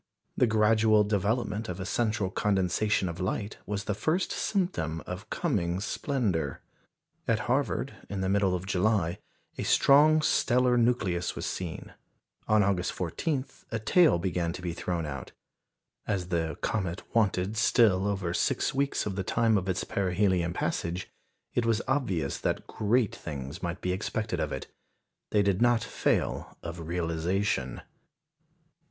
The gradual development of a central condensation of light was the first symptom of coming splendour. At Harvard, in the middle of July, a strong stellar nucleus was seen; on August 14 a tail began to be thrown out. As the comet wanted still over six weeks of the time of its perihelion passage, it was obvious that great things might be expected of it. They did not fail of realisation.